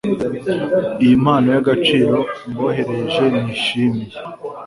iyi mpano yagaciro mboherereje nishimiye